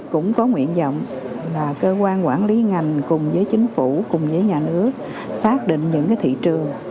cũng có nguyện vọng là cơ quan quản lý ngành cùng với chính phủ cùng với nhà nước xác định những thị trường